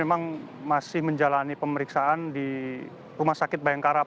memang masih menjalani pemeriksaan di rumah sakit bayangkara